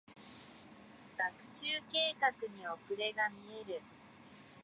学習計画に遅れが見える。